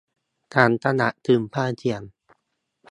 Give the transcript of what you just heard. ฉันตระหนักถึงความเสี่ยง